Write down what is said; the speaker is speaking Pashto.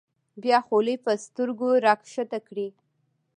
بیا خولۍ په سترګو راښکته کړي.